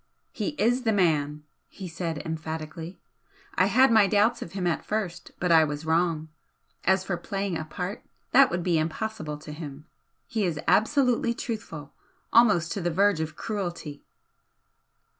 "He IS the man!" he said, emphatically "I had my doubts of him at first, but I was wrong. As for 'playing a part,' that would be impossible to him. He is absolutely truthful almost to the verge of cruelty!"